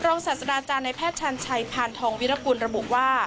ศาสตราจารย์ในแพทย์ชันชัยพานทองวิรกุลระบุว่า